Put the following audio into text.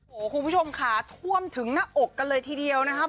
โอ้โหคุณผู้ชมค่ะท่วมถึงหน้าอกกันเลยทีเดียวนะครับ